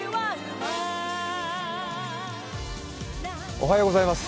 おはようございます。